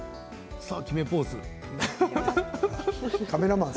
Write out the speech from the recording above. さあ、決めポーズ。